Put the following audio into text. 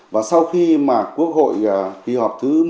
và sau khi mà quốc hội kỳ họp thứ một mươi